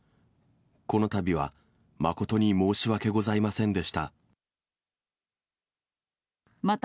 このたびは誠に申し訳ございませんでした。